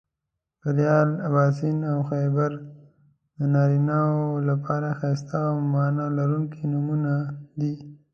بریال، اباسین او خیبر د نارینهٔ و لپاره ښایسته او معنا لرونکي نومونه دي